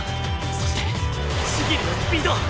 そして千切のスピード！